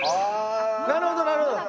なるほどなるほど。